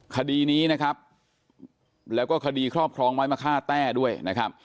คดีนี้นะครับแล้วก็คดีครอบครองไว้มาฆ่าแต้ด้วยนะครับ